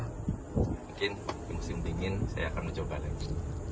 mungkin di musim dingin saya akan mencoba lagi